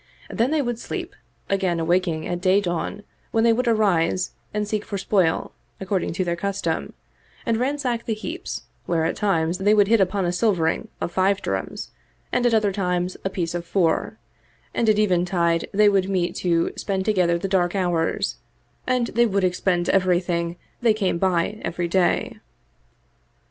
Then they would sleep, again awaking at day dawn when they would arise and seek for spoil, accord ing to their custom, and ransack the heaps where at times they would hit upon a silvering of five dirhams and at other times a piece of four ; and at eventide they would meet to spend together the dark hours, and they would expend ever3iliing they came by every day.